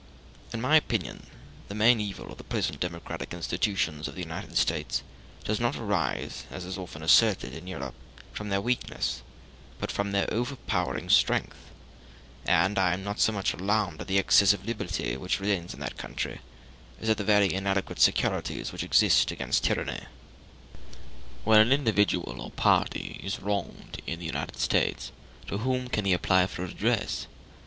In my opinion the main evil of the present democratic institutions of the United States does not arise, as is often asserted in Europe, from their weakness, but from their overpowering strength; and I am not so much alarmed at the excessive liberty which reigns in that country as at the very inadequate securities which exist against tyranny. When an individual or a party is wronged in the United States, to whom can he apply for redress?